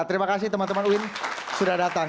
terima kasih teman teman uin sudah datang